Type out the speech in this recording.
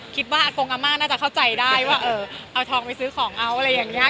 อากงอาม่าน่าจะเข้าใจได้ว่าเอาทองไปซื้อของเอาอะไรอย่างนี้